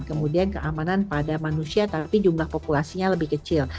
kemudian keamanan pada manusia tapi jumlah populasinya lebih kecil